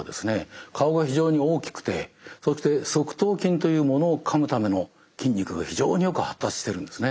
顔が非常に大きくてそして側頭筋というものを噛むための筋肉が非常によく発達してるんですね。